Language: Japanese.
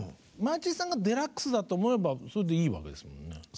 マーチンさんがデラックスだと思えばそれでいいわけですもんね。